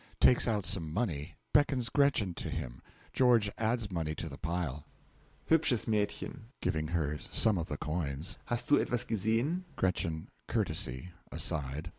(Takes out some money beckons Gretchen to him. George adds money to the pile.) Hubsches Madchen (giving her some of the coins), hast Du etwas gesehen? GR. (Courtesy aside.)